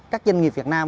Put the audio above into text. các doanh nghiệp việt nam